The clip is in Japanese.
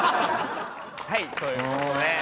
はいということで。